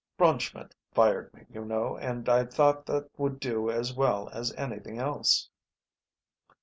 "Braunschmidt fired me, you know, and I thought that would do as well as anything else."